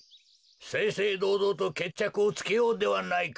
せいせいどうどうとけっちゃくをつけようではないか。